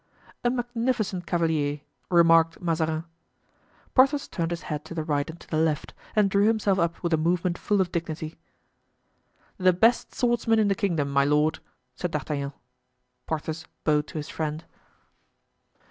"A magnificent cavalier," remarked Mazarin. Porthos turned his head to the right and to the left, and drew himself up with a movement full of dignity. "The best swordsman in the kingdom, my lord," said D'Artagnan. Porthos bowed to his friend.